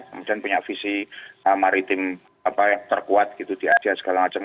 kemudian punya visi maritim terkuat gitu di asia segala macam